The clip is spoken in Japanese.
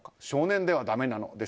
少年ではだめなの？